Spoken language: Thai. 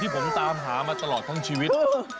ผมตามหามาตลอดทั้งชีวิต